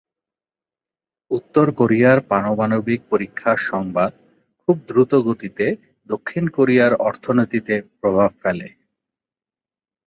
উত্তর কোরিয়ার পারমাণবিক পরীক্ষার সংবাদ খুব দ্রুত দক্ষিণ কোরিয়ার অর্থনীতিতে প্রভাবে ফেলে।